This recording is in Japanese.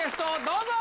どうぞ。